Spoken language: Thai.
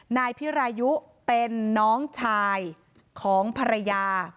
นายสาราวุธคนก่อเหตุอยู่ที่บ้านกับนางสาวสุกัญญาก็คือภรรยาเขาอะนะคะ